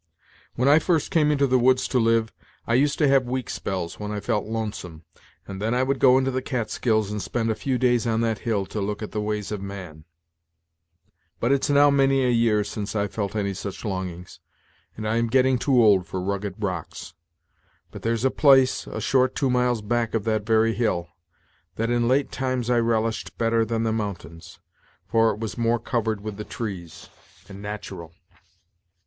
When I first came into the woods to live, I used to have weak spells when I felt lonesome: and then I would go into the Catskills, and spend a few days on that hill to look at the ways of man; but it's now many a year since I felt any such longings, and I am getting too old for rugged rocks. But there's a place, a short two miles back of that very hill, that in late times I relished better than the mountains: for it was more covered with the trees, and natural."